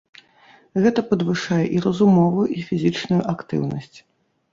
Гэта падвышае і разумовую, і фізічную актыўнасць.